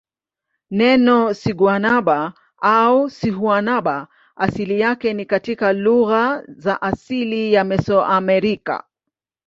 Neno siguanaba au sihuanaba asili yake ni katika lugha za asili za Mesoamerica.